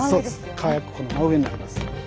火薬庫の真上になります。